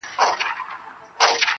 د ځوانيمرگ د هر غزل په سترگو کي يم,